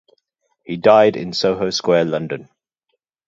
He died in Soho Square, London.